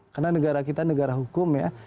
karena negara kita negara hukum ya